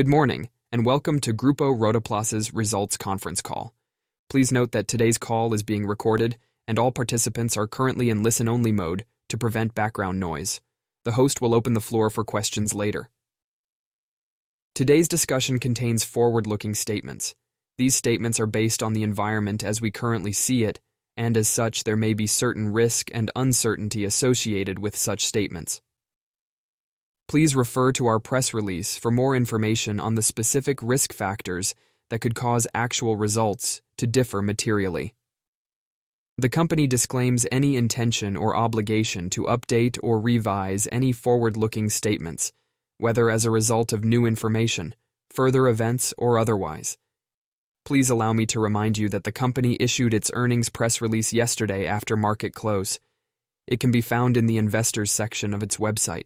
Good morning, and welcome to Grupo Rotoplas' results conference call. Please note that today's call is being recorded, and all participants are currently in listen-only mode to prevent background noise. The host will open the floor for questions later. Today's discussion contains forward-looking statements. These statements are based on the environment as we currently see it, and as such, there may be certain risk and uncertainty associated with such statements. Please refer to our press release for more information on the specific Risk Factors that could cause actual results to differ materially. The company disclaims any intention or obligation to update or revise any forward-looking statements, whether as a result of new information, further events, or otherwise. Please allow me to remind you that the company issued its earnings press release yesterday after market close. It can be found in the Investors section of its website.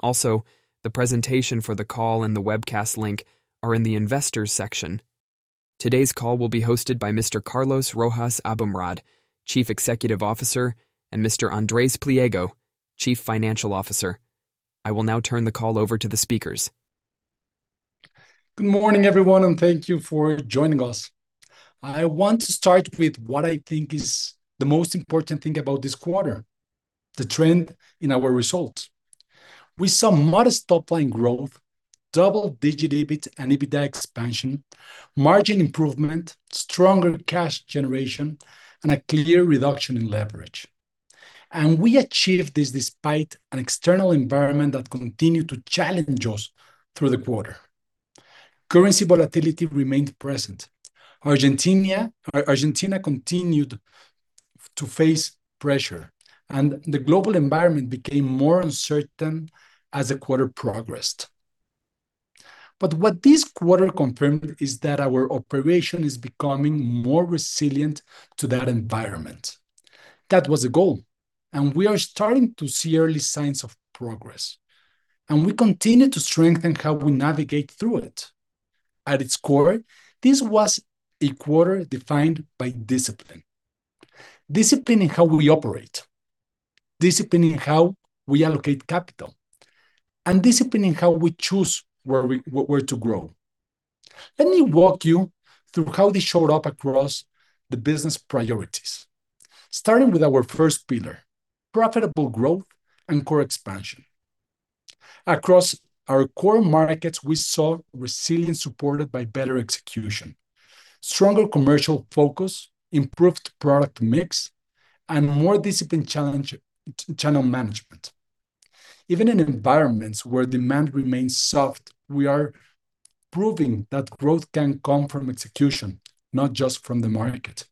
Also, the presentation for the call and the webcast link are in the Investors section. Today's call will be hosted by Mr. Carlos Rojas Aboumrad, Chief Executive Officer, and Mr. Andrés Pliego, Chief Financial Officer. I will now turn the call over to the speakers. Good morning, everyone, and thank you for joining us. I want to start with what I think is the most important thing about this quarter, the trend in our results. We saw modest top-line growth, double-digit EBIT and EBITDA expansion, margin improvement, stronger cash generation, and a clear reduction in leverage. We achieved this despite an external environment that continued to challenge us through the quarter. Currency volatility remained present. Argentina continued to face pressure, and the global environment became more uncertain as the quarter progressed. What this quarter confirmed is that our operation is becoming more resilient to that environment. That was the goal, and we are starting to see early signs of progress, and we continue to strengthen how we navigate through it. At its core, this was a quarter defined by discipline. Discipline in how we operate, discipline in how we allocate capital, and discipline in how we choose where to grow. Let me walk you through how this showed up across the business priorities, starting with our first pillar, Profitable Growth & Core. Expansion. Across our core markets, we saw resilience supported by better execution, stronger commercial focus, improved product mix, and more disciplined channel management. Even in environments where demand remains soft, we are proving that growth can come from execution, not just from the market.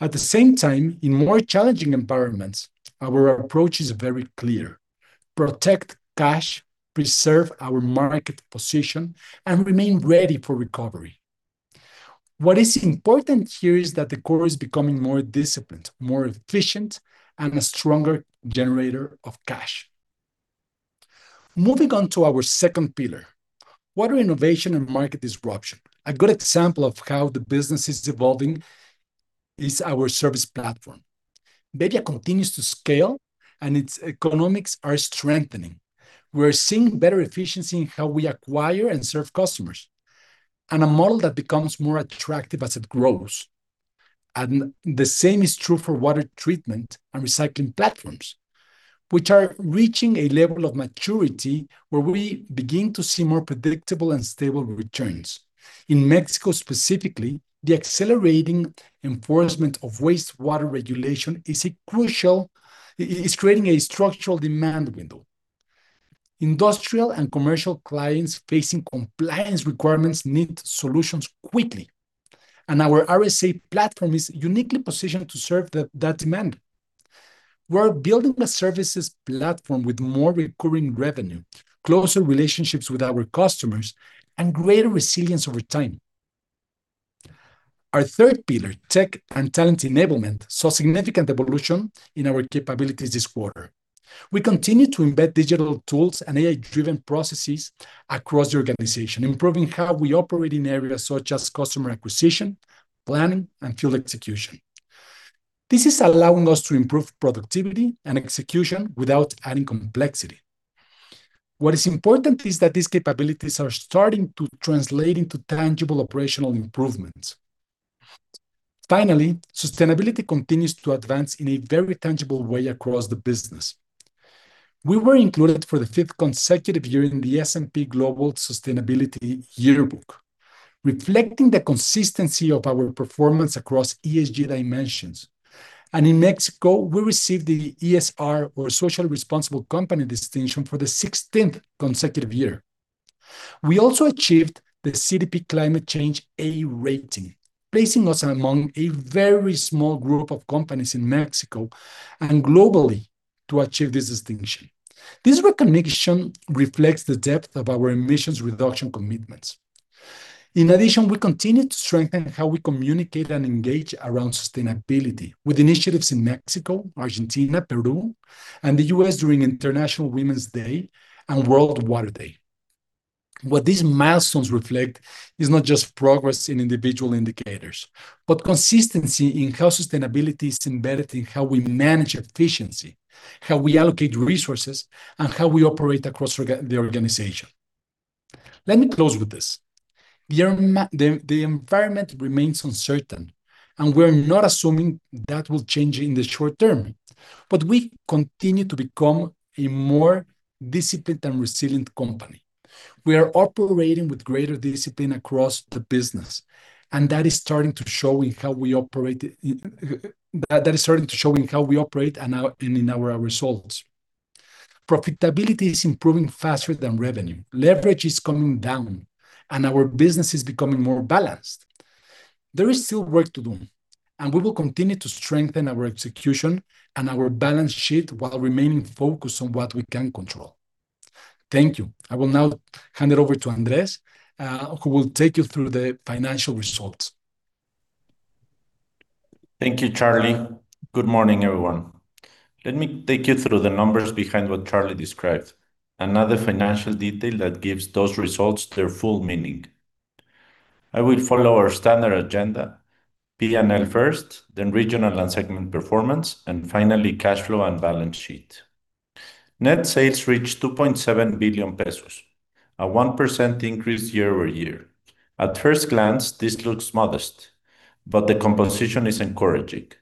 At the same time, in more challenging environments, our approach is very clear. Protect cash, preserve our market position, and remain ready for recovery. What is important here is that the core is becoming more disciplined, more efficient, and a stronger generator of cash. Moving on to our second pillar, Water Innovation & Market. Disruption. A good example of how the business is evolving is our service platform. Bebbia continues to scale, and its economics are strengthening. We're seeing better efficiency in how we acquire and serve customers, and a model that becomes more attractive as it grows. The same is true for water treatment and recycling platforms, which are reaching a level of maturity where we begin to see more predictable and stable returns. In Mexico specifically, the accelerating enforcement of wastewater regulation is creating a structural demand window. Industrial and commercial clients facing compliance requirements need solutions quickly, and our RSA platform is uniquely positioned to serve that demand. We're building a services platform with more recurring revenue, closer relationships with our customers, and greater resilience over time. Our third pillar, Tech & Talent Enablement, saw significant evolution in our capabilities this quarter. We continue to embed digital tools and AI-driven processes across the organization, improving how we operate in areas such as customer acquisition, planning, and field execution. This is allowing us to improve productivity and execution without adding complexity. What is important is that these capabilities are starting to translate into tangible operational improvements. Finally, sustainability continues to advance in a very tangible way across the business. We were included for the fifth consecutive year in the S&P Global Sustainability Yearbook, reflecting the consistency of our performance across ESG dimensions. In Mexico, we received the ESR, or Socially Responsible Company, distinction for the 16th consecutive year. We also achieved the CDP Climate Change A rating, placing us among a very small group of companies in Mexico and globally to achieve this distinction. This recognition reflects the depth of our emissions reduction commitments. In addition, we continue to strengthen how we communicate and engage around sustainability with initiatives in Mexico, Argentina, Peru, and the U.S. during International Women's Day and World Water Day. What these milestones reflect is not just progress in individual indicators, but consistency in how sustainability is embedded in how we manage efficiency, how we allocate resources, and how we operate across the organization. Let me close with this. The environment remains uncertain, and we're not assuming that will change in the short-term. We continue to become a more disciplined and resilient company. We are operating with greater discipline across the business, and that is starting to show in how we operate and in our results. Profitability is improving faster than revenue. Leverage is coming down, and our business is becoming more balanced. There is still work to do, and we will continue to strengthen our execution and our balance sheet while remaining focused on what we can control. Thank you. I will now hand it over to Andrés, who will take you through the financial results. Thank you, Charlie. Good morning, everyone. Let me take you through the numbers behind what Charlie described, another financial detail that gives those results their full meaning. I will follow our standard agenda, P&L first, then regional and segment performance, and finally, cash flow and balance sheet. Net sales reached 2.7 billion pesos, a 1% increase year-over-year. At first glance, this looks modest, but the composition is encouraging.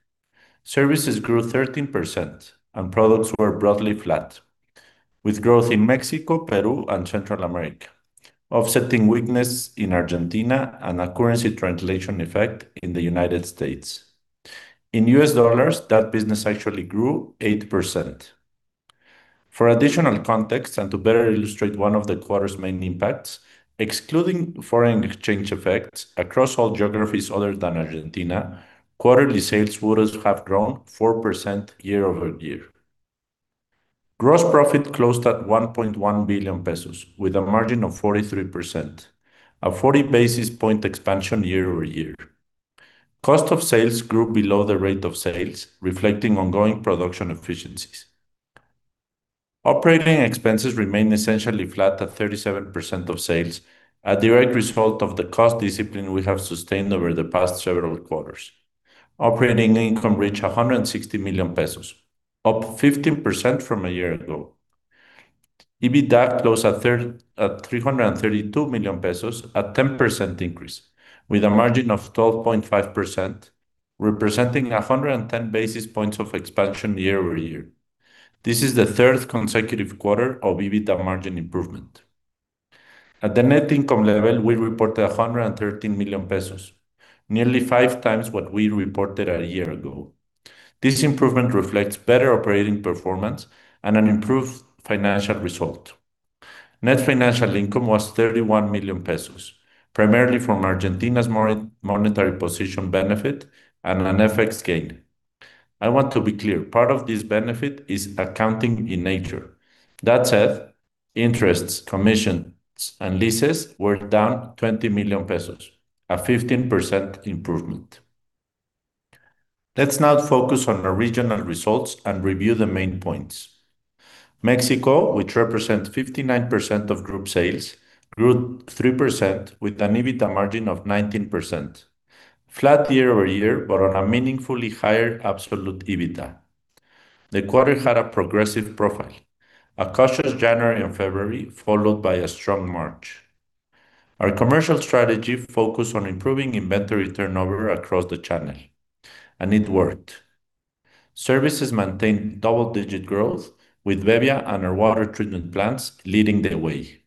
Services grew 13% and products were broadly flat, with growth in Mexico, Peru, and Central America offsetting weakness in Argentina and a currency translation effect in the United States. In U.S. dollars, that business actually grew 8%. For additional context and to better illustrate one of the quarter's main impacts, excluding foreign exchange effects across all geographies other than Argentina, quarterly sales would have grown 4% year-over-year. Gross profit closed at 1.1 billion pesos with a margin of 43%, a 40 basis point expansion year-over-year. Cost of sales grew below the rate of sales, reflecting ongoing production efficiencies. Operating expenses remained essentially flat at 37% of sales, a direct result of the cost discipline we have sustained over the past several quarters. Operating income reached 160 million pesos, up 15% from a year ago. EBITDA closed at 332 million pesos, a 10% increase, with a margin of 12.5%, representing 110 basis points of expansion year-over-year. This is the third consecutive quarter of EBITDA margin improvement. At the net income level, we reported 113 million pesos, nearly 5x what we reported a year ago. This improvement reflects better operating performance and an improved financial result. Net financial income was 31 million pesos, primarily from Argentina's monetary position benefit and an FX gain. I want to be clear, part of this benefit is accounting in nature. That said, interests, commissions, and leases were down 20 million pesos, a 15% improvement. Let's now focus on our regional results and review the main points. Mexico, which represents 59% of group sales, grew 3% with an EBITDA margin of 19%, flat year-over-year, but on a meaningfully higher absolute EBITDA. The quarter had a progressive profile, a cautious January and February, followed by a strong March. Our commercial strategy focused on improving inventory turnover across the channel, and it worked. Services maintained double-digit growth with Bebbia and our water treatment plants leading the way.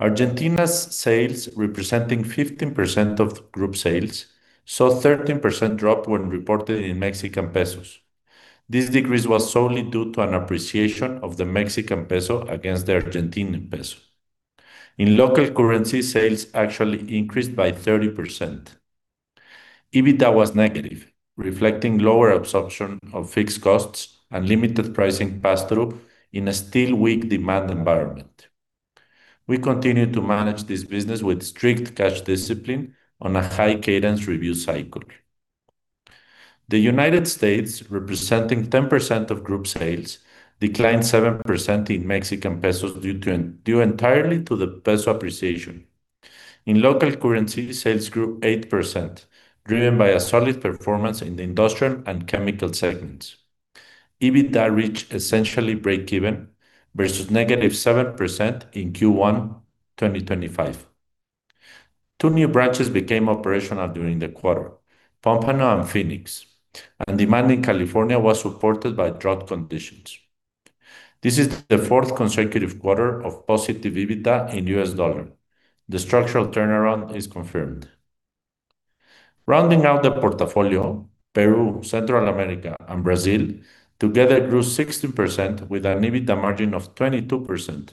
Argentina's sales, representing 15% of group sales, saw 13% drop when reported in Mexican pesos. This decrease was solely due to an appreciation of the Mexican peso against the Argentine peso. In local currency, sales actually increased by 30%. EBITDA was negative, reflecting lower absorption of fixed costs and limited pricing pass-through in a still weak demand environment. We continue to manage this business with strict cash discipline on a high cadence review cycle. The United States, representing 10% of group sales, declined 7% in Mexican pesos due entirely to the peso appreciation. In local currency, sales grew 8%, driven by a solid performance in the industrial and chemical segments. EBITDA reached essentially breakeven versus negative 7% in Q1 2025. Two new branches became operational during the quarter, Pompano and Phoenix, and demand in California was supported by drought conditions. This is the fourth consecutive quarter of positive EBITDA in U.S. dollars. The structural turnaround is confirmed. Rounding out the portfolio, Peru, Central America, and Brazil together grew 16% with an EBITDA margin of 22%,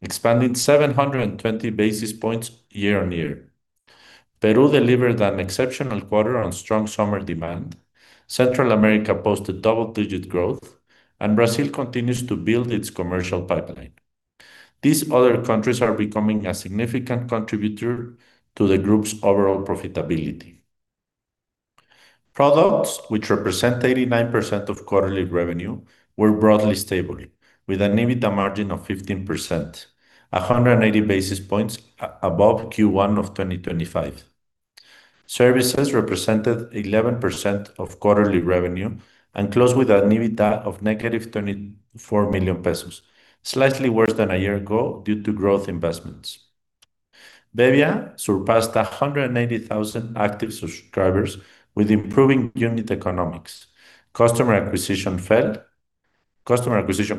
expanding 720 basis points year-over-year. Peru delivered an exceptional quarter on strong summer demand. Central America posted double-digit growth, and Brazil continues to build its commercial pipeline. These other countries are becoming a significant contributor to the group's overall profitability. Products, which represent 89% of quarterly revenue, were broadly stable with an EBITDA margin of 15%, 180 basis points above Q1 of 2025. Services represented 11% of quarterly revenue and closed with an EBITDA of -24 million pesos, slightly worse than a year ago due to growth investments. Bebbia surpassed 190,000 active subscribers with improving unit economics. Customer acquisition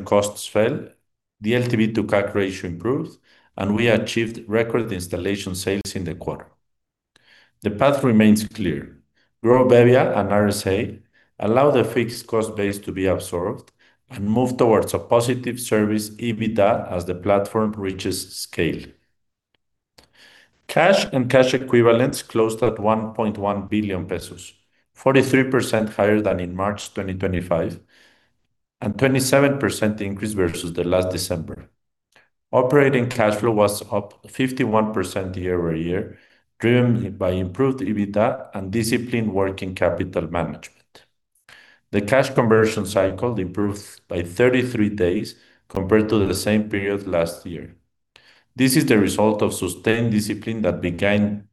costs fell, the LTV to CAC ratio improved, and we achieved record installation sales in the quarter. The path remains clear. Grow Bebbia and RSA, allow the fixed cost base to be absorbed, and move towards a positive service EBITDA as the platform reaches scale. Cash and cash equivalents closed at 1.1 billion pesos, 43% higher than in March 2025, and a 27% increase versus last December. Operating cash flow was up 51% year-over-year, driven by improved EBITDA and disciplined working capital management. The cash conversion cycle improved by 33 days compared to the same period last year. This is the result of sustained discipline that began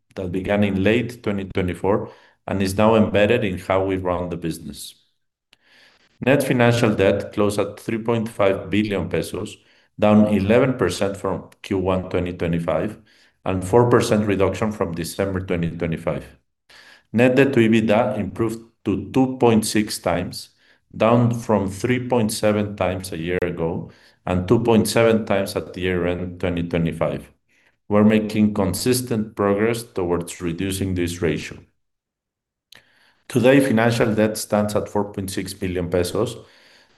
in late 2024 and is now embedded in how we run the business. Net financial debt closed at 3.5 billion pesos, down 11% from Q1 2025 and a 4% reduction from December 2025. Net debt to EBITDA improved to 2.6x, down from 3.7x a year ago and 2.7x at the year-end 2025. We're making consistent progress towards reducing this ratio. Today, financial debt stands at 4.6 billion pesos.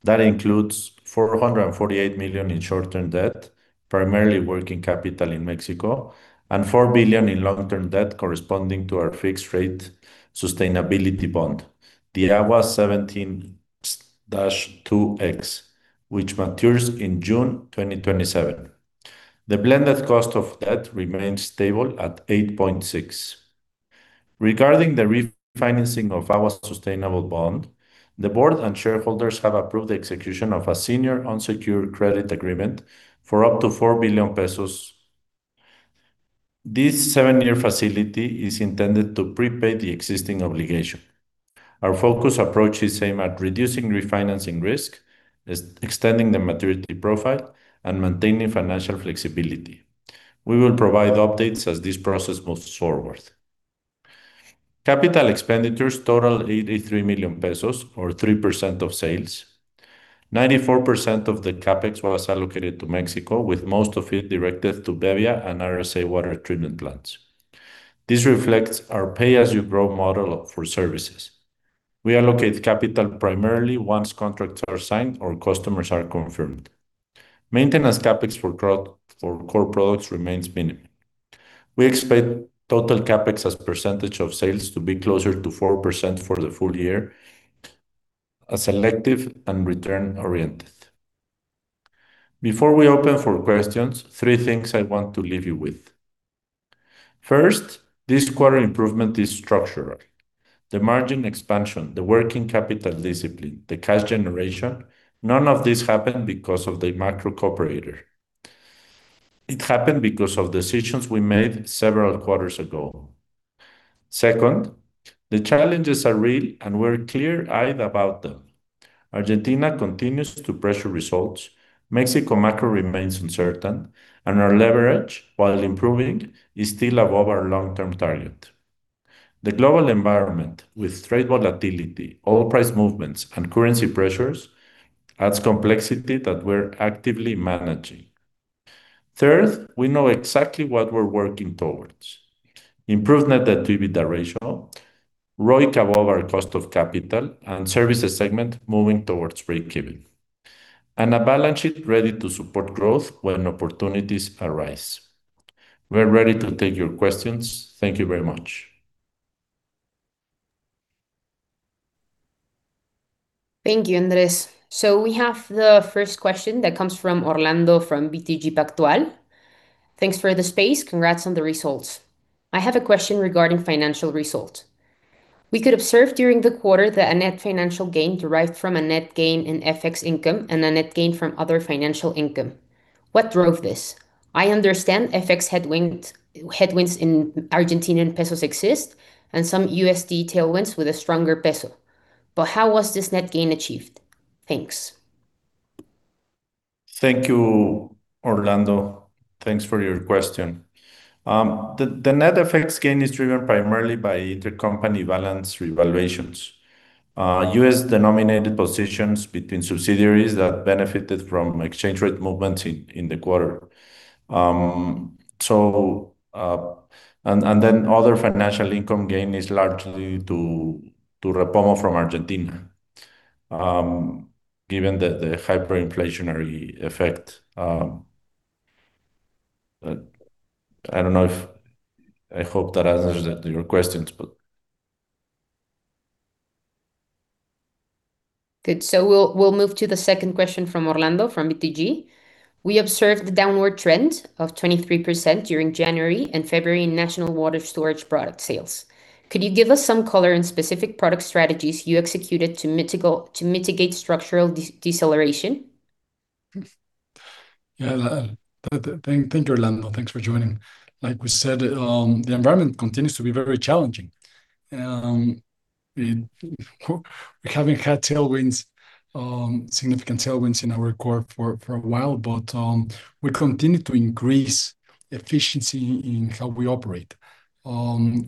That includes 448 million in short-term debt, primarily working capital in Mexico, and 4 billion in long-term debt corresponding to our fixed rate sustainability bond, the AGUA 17-2X, which matures in June 2027. The blended cost of debt remains stable at 8.6%. Regarding the refinancing of our sustainable bond, the board and shareholders have approved the execution of a senior unsecured credit agreement for up to 4 billion pesos. This seven-year facility is intended to prepay the existing obligation. Our focused approach is aimed at reducing refinancing risk, extending the maturity profile, and maintaining financial flexibility. We will provide updates as this process moves forward. Capital expenditures totaled 83 million pesos or 3% of sales. 94% of the CapEx was allocated to Mexico, with most of it directed to Bebbia and RSA water treatment plants. This reflects our pay-as-you-grow model for services. We allocate capital primarily once contracts are signed or customers are confirmed. Maintenance CapEx for core products remains minimal. We expect total CapEx as a percentage of sales to be closer to 4% for the full-year, selective and return-oriented. Before we open for questions, three things I want to leave you with. First, this quarter improvement is structural. The margin expansion, the working capital discipline, the cash generation, none of this happened because of the macro cooperation. It happened because of decisions we made several quarters ago. Second, the challenges are real, and we're clear-eyed about them. Argentina continues to pressure results. Mexico macro remains uncertain, and our leverage, while improving, is still above our long-term target. The global environment, with trade volatility, oil price movements, and currency pressures, adds complexity that we're actively managing. Third, we know exactly what we're working towards. Improved net debt to EBITDA ratio, ROIC above our cost of capital, and Services segment moving toward breakeven, and a balance sheet ready to support growth when opportunities arise. We're ready to take your questions. Thank you very much. Thank you, Andrés. We have the first question that comes from Orlando from BTG Pactual. Thanks for the space. Congrats on the results. I have a question regarding financial results. We could observe during the quarter that a net financial gain derived from a net gain in FX income and a net gain from other financial income. What drove this? I understand FX headwinds in Argentine pesos exist and some USD tailwinds with a stronger peso. But how was this net gain achieved? Thanks. Thank you, Orlando. Thanks for your question. The net effects gain is driven primarily by intercompany balance revaluations, U.S.-denominated positions between subsidiaries that benefited from exchange rate movements in the quarter. Other financial income gain is largely to REPOMO from Argentina, given the hyperinflationary effect. I hope that answers your questions. Good. We'll move to the second question from Orlando from BTG. We observed the downward trend of 23% during January and February in national water storage product sales. Could you give us some color on specific product strategies you executed to mitigate structural deceleration? Yeah. Thank you, Orlando. Thanks for joining. Like we said, the environment continues to be very challenging. We haven't had significant tailwinds in our core for a while, but we continue to increase efficiency in how we operate.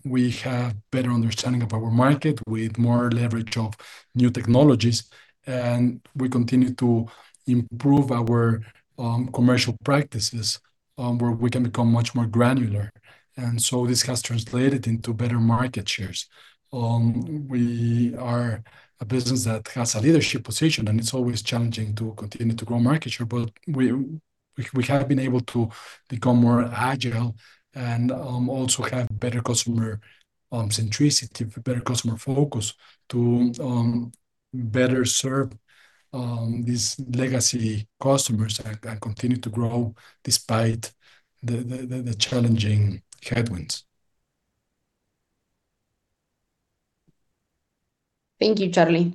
We have better understanding of our market with more leverage of new technologies, and we continue to improve our commercial practices, where we can become much more granular. This has translated into better market shares. We are a business that has a leadership position, and it's always challenging to continue to grow market share, but we have been able to become more agile and also have better customer centricity, better customer focus to better serve these legacy customers and continue to grow despite the challenging headwinds. Thank you, Charlie.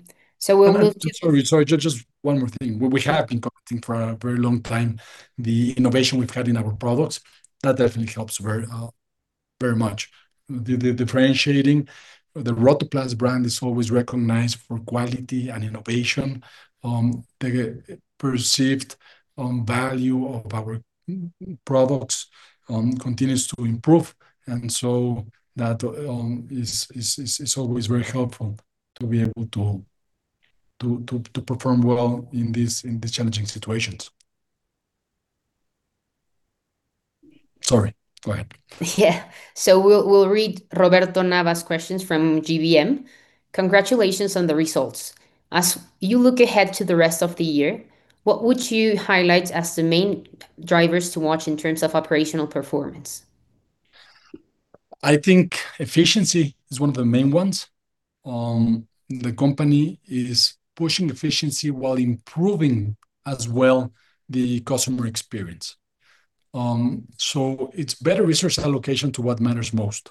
We'll move- Sorry. Just one more thing. We have been competing for a very long time. The innovation we've had in our products, that definitely helps very much. The differentiating, the Rotoplas brand is always recognized for quality and innovation. The perceived value of our products continues to improve, and so that is always very helpful to be able to perform well in these challenging situations. Sorry, go ahead. Yeah. We'll read Roberto Nava's questions from GBM. Congratulations on the results. As you look ahead to the rest of the year, what would you highlight as the main drivers to watch in terms of operational performance? I think efficiency is one of the main ones. The company is pushing efficiency while improving as well the customer experience. It's better resource allocation to what matters most.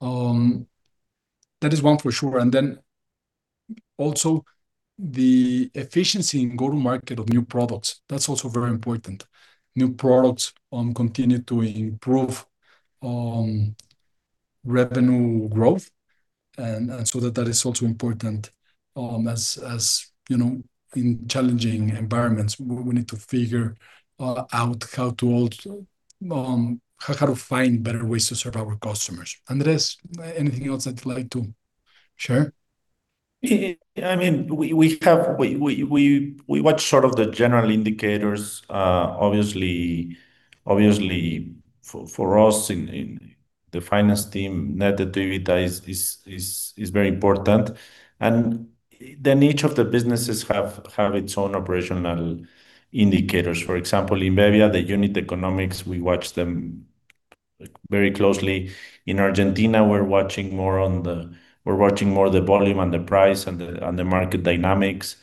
That is one for sure, and then also the efficiency in go-to-market of new products, that's also very important. New products continue to improve revenue growth, and so that is also important. In challenging environments, we need to figure out how to find better ways to serve our customers. Andrés, anything else that you'd like to share? We watch sort of the general indicators. Obviously, for us in the finance team, net activity is very important. Each of the businesses have its own operational indicators. For example, Bebbia, the unit economics, we watch them very closely. In Argentina, we're watching more the volume and the price and the market dynamics.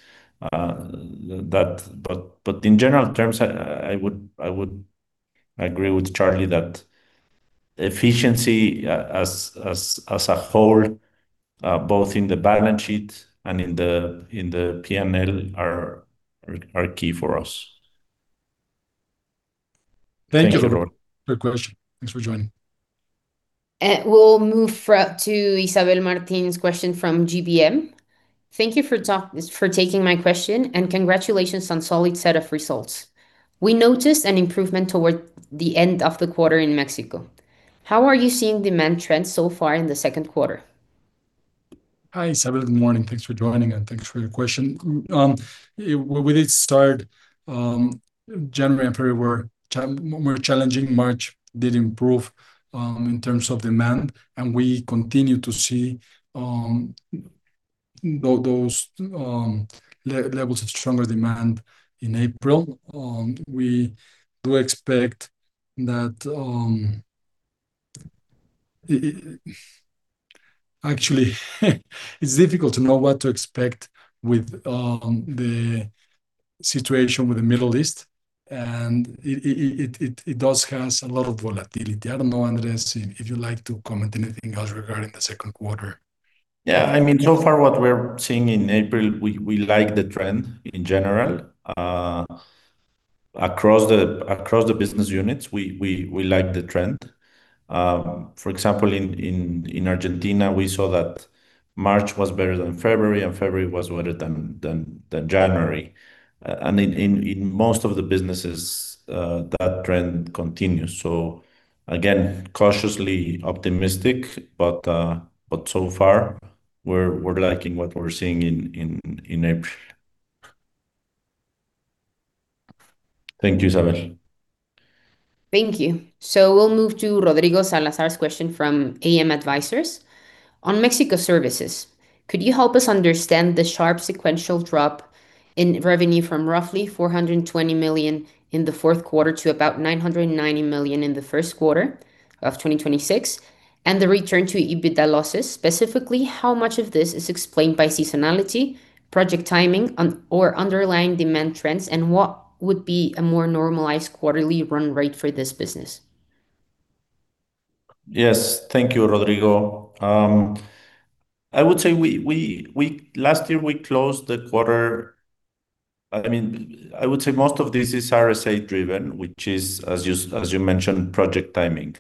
In general terms, I would agree with Charlie that efficiency as a whole, both in the balance sheet and in the P&L, are key for us. Thank you. Thanks, everyone. Good question. Thanks for joining. We'll move to Isabel Martinez's question from GBM. Thank you for taking my question, and congratulations on solid set of results. We noticed an improvement toward the end of the quarter in Mexico. How are you seeing demand trends so far in the second quarter? Hi, Isabel. Good morning. Thanks for joining, and thanks for your question. January and February were more challenging. March did improve in terms of demand, and we continue to see those levels of stronger demand in April. Actually it's difficult to know what to expect with the situation with the Middle East, and it does cause a lot of volatility. I don't know, Andrés, if you'd like to comment anything else regarding the second quarter. Yeah. So far, what we're seeing in April, we like the trend in general. Across the business units, we like the trend. For example, in Argentina, we saw that March was better than February, and February was better than January. In most of the businesses, that trend continues. Again, cautiously optimistic, but so far, we're liking what we're seeing in April. Thank you, Isabel. Thank you. We'll move to Rodrigo Salazar's question from AM Advisors. On Mexico services, could you help us understand the sharp sequential drop in revenue from roughly 420 million in the fourth quarter to about 990 million in the first quarter of 2026, and the return to EBITDA losses, specifically, how much of this is explained by seasonality, project timing, or underlying demand trends, and what would be a more normalized quarterly run rate for this business? Yes. Thank you, Rodrigo. I would say last year we closed the quarter. I would say most of this is RSA driven, which is, as you mentioned, project timing.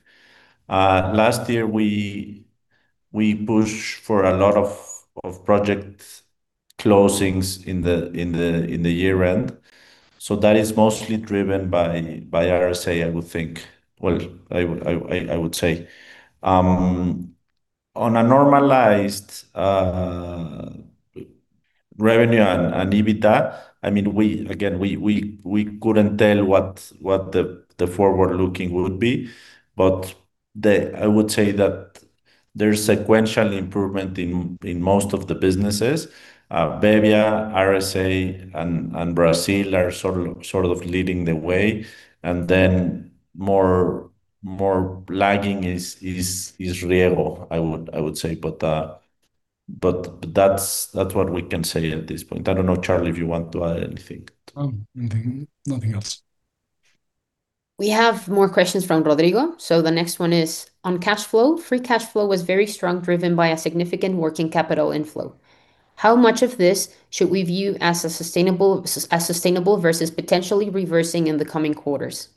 Last year, we pushed for a lot of project closings in the year-end. That is mostly driven by RSA, I would say. On a normalized revenue and EBITDA, again, we couldn't tell what the forward-looking would be, but I would say that there's sequential improvement in most of the businesses. Bebbia, RSA, and Brazil are sort of leading the way, and then more lagging is Rio, I would say. That's what we can say at this point. I don't know, Charlie, if you want to add anything. No, nothing else. We have more questions from Rodrigo. The next one is, on cash flow, free cash flow was very strong, driven by a significant working capital inflow. How much of this should we view as sustainable versus potentially reversing in the coming quarters?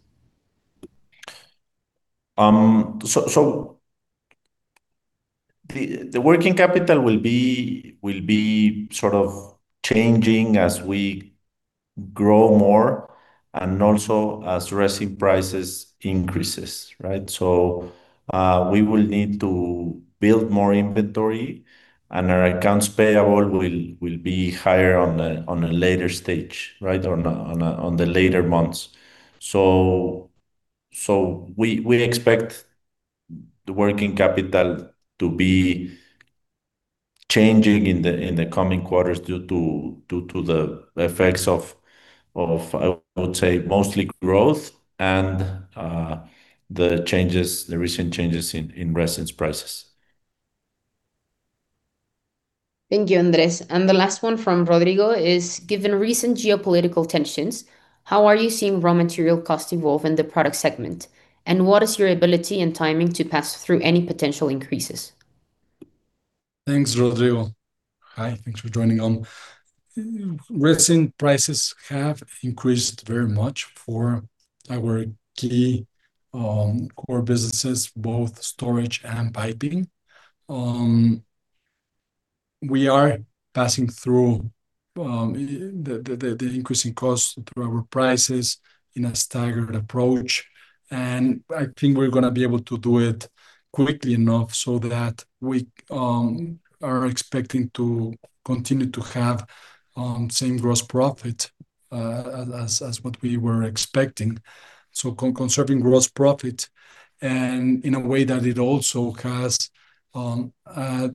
The working capital will be sort of changing as we grow more and also as resin prices increases, right? We will need to build more inventory, and our accounts payable will be higher on a later stage, right, on the later months. We expect the working capital to be changing in the coming quarters due to the effects of, I would say, mostly growth and the recent changes in resin prices. Thank you, Andrés. The last one from Rodrigo is: Given recent geopolitical tensions, how are you seeing raw material costs evolve in the product segment? And what is your ability and timing to pass through any potential increases? Thanks, Rodrigo. Hi, thanks for joining. Resin prices have increased very much for our key core businesses, both storage and piping. We are passing through the increasing cost through our prices in a staggered approach, and I think we're going to be able to do it quickly enough so that we are expecting to continue to have same gross profit as what we were expecting. Conserving gross profit, and in a way that it also has a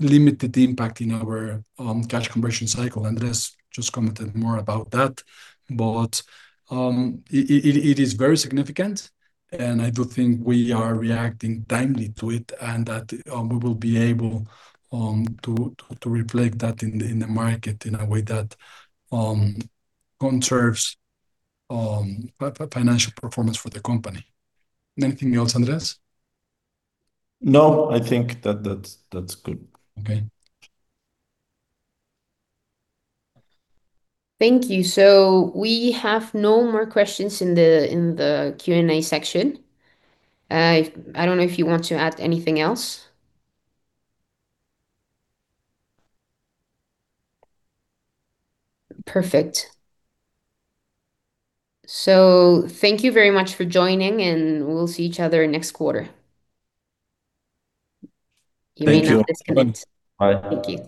limited impact in our cash conversion cycle. Andrés just commented more about that. It is very significant, and I do think we are reacting timely to it, and that we will be able to reflect that in the market in a way that conserves financial performance for the company. Anything else, Andrés? No, I think that's good. Okay. Thank you. We have no more questions in the Q&A section. I don't know if you want to add anything else. Perfect. Thank you very much for joining, and we'll see each other next quarter. Thank you. You may now disconnect. Bye. Thank you.